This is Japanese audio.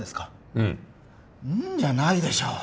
うんうんじゃないでしょ